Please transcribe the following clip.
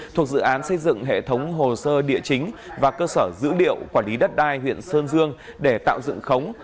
thuộc dự án xây dựng hệ thống hồ sơ địa chính và cơ sở dữ liệu quản lý đất đai huyện sơn dương để tạo dựng khống